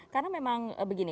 karena memang begini